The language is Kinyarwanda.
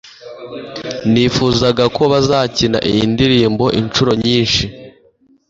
Nifuzaga ko bazakina iyi ndirimbo inshuro nyinshi.